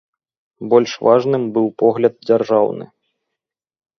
Больш важным быў погляд дзяржаўны.